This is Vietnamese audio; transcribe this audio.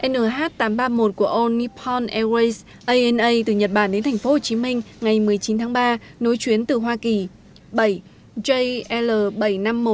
sáu nh tám trăm ba mươi một của all nippon airways ana từ nhật bản đến tp hcm ngày một mươi chín tháng ba nối chuyến từ hoa kỳ